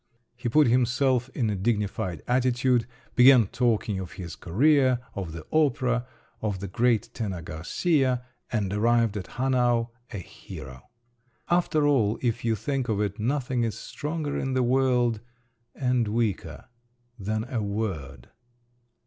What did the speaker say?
_" He put himself in a dignified attitude, began talking of his career, of the opera, of the great tenor Garcia—and arrived at Hanau a hero. After all, if you think of it, nothing is stronger in the world … and weaker—than a word!